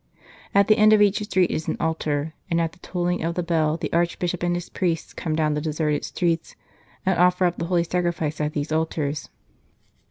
At the end of each street is an altar, and at the tolling of the bell the Archbishop and his priests come down the deserted streets and offer up the Holy Sacrifice at these altars.